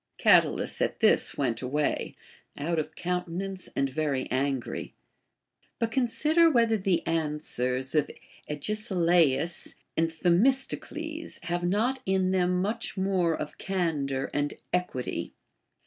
Catulus at this went away, out of countenance and very angry. But consider whether the answers of Agesilaus and Themistocles have not in them much more of candor and equity.